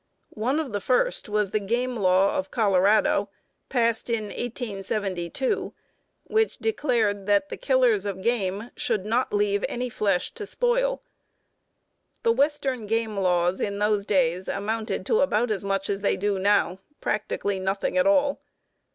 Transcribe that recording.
One of the first was the game law of Colorado, passed in 1872, which declared that the killers of game should not leave any flesh to spoil. The western game laws of those days amounted to about as much as they do now; practically nothing at all.